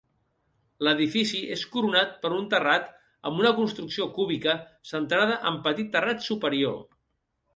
L'edifici és coronat per un terrat amb una construcció cúbica centrada amb petit terrat superior.